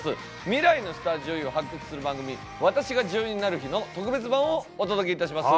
未来のスター女優を発掘する番組「私が女優になる日」の特別版をお届けいたします